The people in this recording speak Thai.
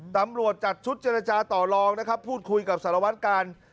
ตำรวจจัดชุดเจรจาต่อลองนะครับพูดคุยกับสารวัตกาล